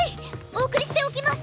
お送りしておきます！